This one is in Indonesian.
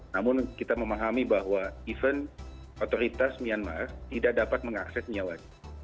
namun kita memahami bahwa even otoritas myanmar tidak dapat mengakses nyawanya